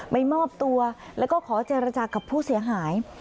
ไปมอบตัวแล้วก็ขอเจรจากับผู้เสียหาย